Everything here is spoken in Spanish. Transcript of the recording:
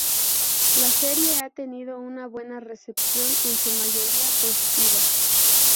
La serie ha tenido una buena recepción, en su mayoría positiva.